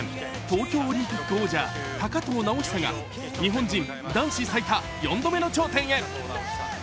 東京オリンピック王者高藤直寿が日本人男子最多４度目の頂点へ。